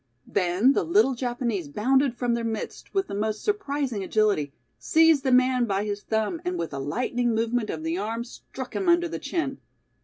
Then the little Japanese bounded from their midst with the most surprising agility, seized the man by his thumb and with a lightning movement of the arm struck him under the chin.